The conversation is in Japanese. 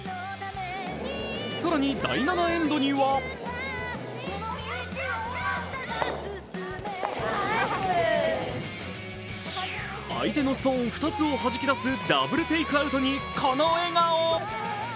更に第７エンドには相手のストーン２つをはじき出すダブルテイクアウトにこの笑顔。